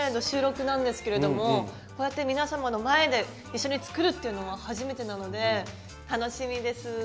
収録なんですけれどもこうやって皆様の前で一緒に作るっていうのは初めてなので楽しみです。